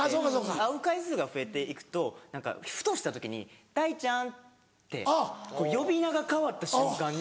会う回数が増えて行くとふとした時に大ちゃんって呼び名が変わった瞬間に。